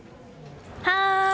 はい！